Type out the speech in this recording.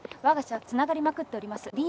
わが社はつながりまくっております。